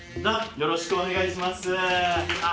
よろしくお願いします。